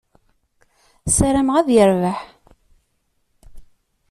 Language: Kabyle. Ssarameɣ ad yerbeḥ.